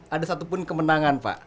ada satupun kemenangan pak